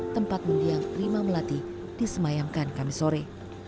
tempat mendiang prima melati disemayamkan kami sore